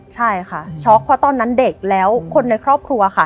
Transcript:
ใช่ค่ะช็อกเพราะตอนนั้นเด็กแล้วคนในครอบครัวค่ะ